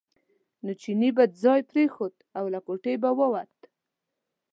نو چیني به ځای پرېښود او له کوټې به ووت.